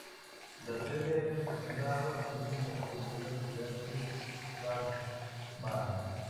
La sede del condado, así como su mayor ciudad es Carlsbad.